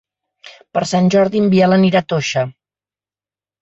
Per Sant Jordi en Biel anirà a Toixa.